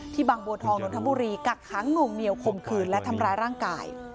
บางบัวทองนนทบุรีกักขังหน่วงเหนียวคมคืนและทำร้ายร่างกาย